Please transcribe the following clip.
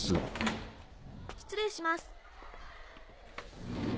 失礼します。